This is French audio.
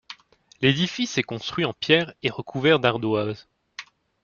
L'édifice est construit en pierre et recouvert d'ardoise.